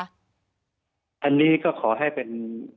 อันนี้ก็ขอให้เป็น